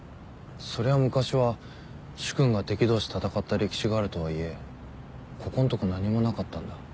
そりゃあ昔は主君が敵同士戦った歴史があるとはいえここんとこ何もなかったんだ。